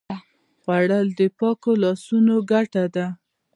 خوړل د پاکو لاسونو ګټه ده